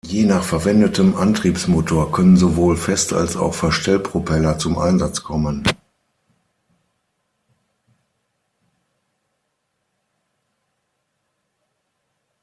Je nach verwendetem Antriebsmotor können sowohl Fest- als auch Verstellpropeller zum Einsatz kommen.